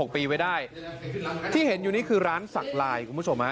ปีไว้ได้ที่เห็นอยู่นี่คือร้านสักลายคุณผู้ชมฮะ